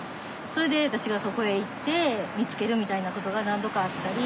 それで私がそこへ行って見つけるみたいな事が何度かあったり。